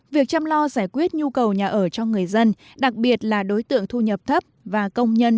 việc chăm lo giải quyết nhu cầu nhà ở cho người dân đặc biệt là đối tượng thu nhập thấp và công nhân